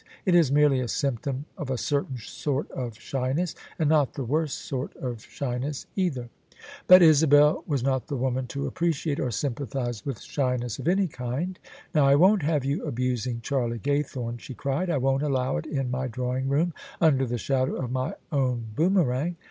It is merely a symptom of a certain sort of shyness: and not the worst sort of shy ness, either. But Isabel was not the woman to appreciate or sympathise with shyness of any kind. " Now I won't have you abusing Charlie Gaythome," she cried :" I won't allow it in my drawing room under the shadow of my own boomerang!